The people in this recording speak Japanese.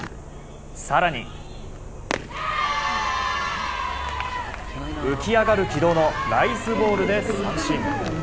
更に、浮き上がる軌道のライズボールで三振。